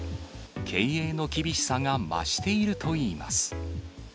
経営の厳しさが増しているといいます。